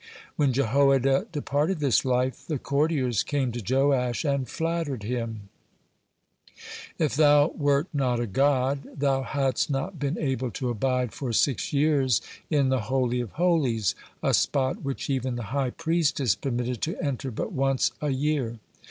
When Jehoiada departed this life, the courtiers came to Joash and flattered him: "If thou wert not a god, thou hadst not been able to abide for six years in the Holy of Holies, a spot which even the high priest is permitted to enter but once a year."